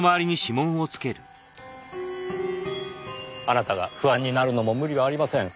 あなたが不安になるのも無理はありません。